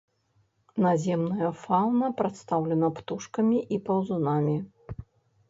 Наземная фаўна прадстаўлена птушкамі і паўзунамі.